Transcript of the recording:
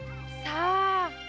さあ？